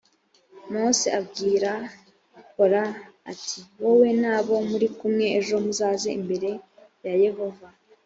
mose abwira kora ati wowe n’abo muri kumwe ejo muzaze imbere yayehova